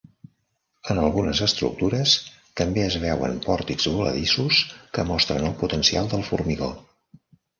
En algunes estructures també es veuen pòrtics voladissos que mostren el potencial del formigó.